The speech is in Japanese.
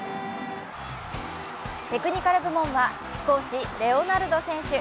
テクニカル部門は貴公子レオナルド選手。